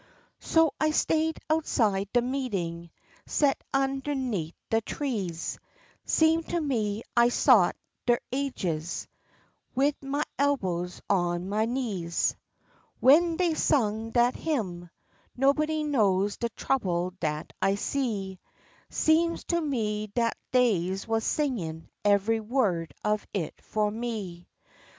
So I stay'd outside de meetin', set'n underneat' de trees, Seemed to me I sot der ages, wid ma elbows on ma knees. W'en dey sung dat hymn, "Nobody knows de trouble dat I see," Seem'd to me dat dey wuz singin' eveh word o' it fu' me.